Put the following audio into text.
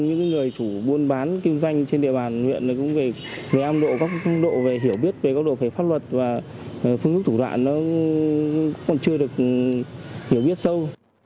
những người chủ buôn bán kinh doanh trên địa bàn huyện cũng về âm độ về hiểu biết về pháp luật và phương thức thủ đoạn nó còn chưa được hiểu biết sâu